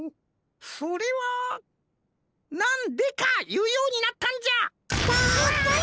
それは「なん『デカ』」いうようになったんじゃ！